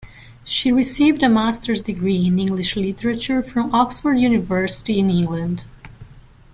She received a master's degree in English literature from Oxford University in England.